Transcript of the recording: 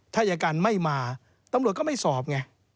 ถ้าอายการไม่มาตำรวจก็ไม่สอบไง